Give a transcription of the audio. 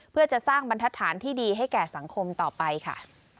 เพื่อจะสร้างบรรทัศน์ที่ดีให้แก่สังคมต่อไปค่ะ